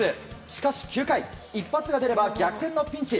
しかし９回一発が出れば逆転のピンチ。